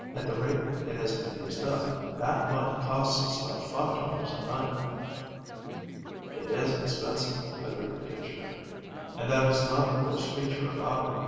At the rate it has been used up, that light costs us about $5.00 a night." "It is expensive," agreed Kitchner, "and that is not the worst feature about it.